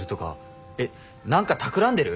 えっ何かたくらんでる？